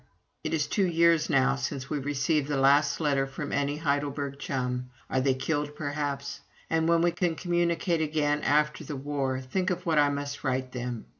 It is two years now since we received the last letter from any Heidelberg chum. Are they all killed, perhaps? And when we can communicate again, after the war, think of what I must write them!